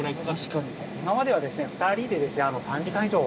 今までは２人で３時間以上かかって。